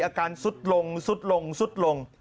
อาการซุดลงซุดลงซุดลง